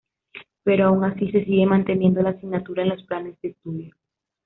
Pero aun así se sigue manteniendo la asignatura en los planes de estudio.